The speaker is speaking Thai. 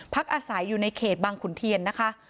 อาศัยอยู่ในเขตบางขุนเทียนนะคะ